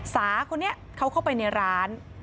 สาคนนี้เขาเข้าไปในร้าน